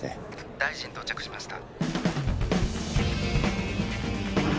大臣到着しました。